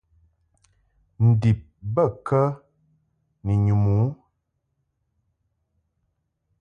Ndib bə kə ni nyum u ?